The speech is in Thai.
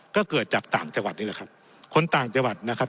ก็เกิดจากต่างจังหวัดนี่แหละครับคนต่างจังหวัดนะครับ